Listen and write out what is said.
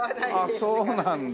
ああそうなんだ。